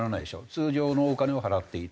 通常のお金を払っていて。